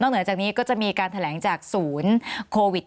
เหนือจากนี้ก็จะมีการแถลงจากศูนย์โควิด